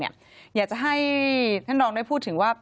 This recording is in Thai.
อยากจะให้ท่านรองได้พูดถึงว่า